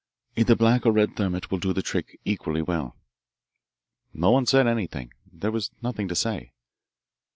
Either black or red thermit will do the trick equally well." No one said anything. There was nothing to say.